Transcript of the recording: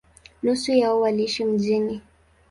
Nusu yao waliishi mjini.